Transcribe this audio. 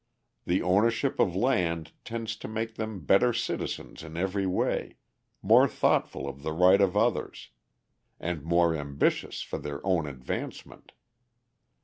The ownership of land tends to make them better citizens in every way, more thoughtful of the right of others, and more ambitious for their own advancement.